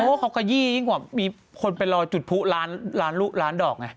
โอ้โฮค่ะกะยี่มีคนไปรอจุดพุล้านลูกล้านดอกไง